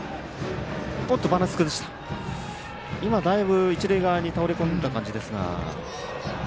今、一塁側に倒れ込んだ感じですが。